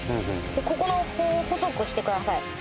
ここを細くしてください